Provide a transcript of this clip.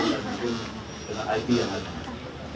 dan mungkin dengan it yang ada